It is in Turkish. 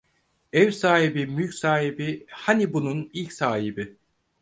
Ev sahibi mülk sahibi, hani bunun ilk sahibi.